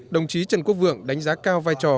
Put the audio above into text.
đồng chí trần quốc vượng đánh giá cao vai trò